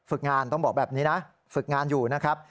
งานต้องบอกแบบนี้นะฝึกงานอยู่นะครับ